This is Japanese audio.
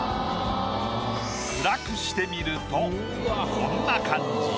暗くしてみるとこんな感じ。